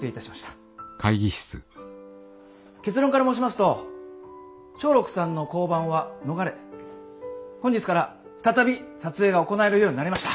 結論から申しますと松緑さんの降板は逃れ本日から再び撮影が行えるようになりました。